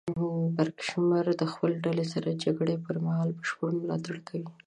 پړکمشر د خپلې ډلې سره د جګړې پر مهال بشپړ ملاتړ کوي.